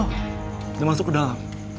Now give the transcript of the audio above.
udah masuk ke dalam